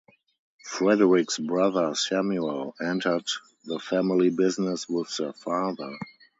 Frederick's brother Samuel entered the family business with their father.